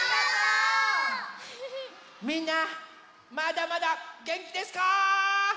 みんなまだまだげんきですか？